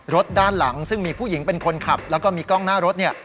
ด้านหลังซึ่งมีผู้หญิงเป็นคนขับแล้วก็มีกล้องหน้ารถเนี่ย